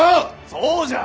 そうじゃ！